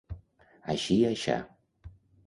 Així i aixà.